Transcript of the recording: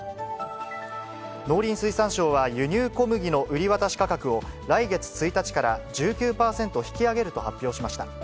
農林水産省は輸入小麦の売り渡し価格を来月１日から１９％引き上げると発表しました。